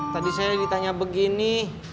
tadi saya ditanya begini